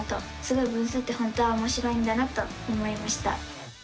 すごい分数って本当はおもしろいんだなと思いました！